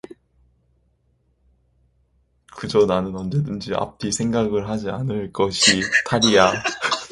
그저 나는 언제든지 앞뒤 생각을 하지 않는 것이 탈이야.